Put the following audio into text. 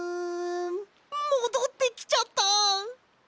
もどってきちゃった。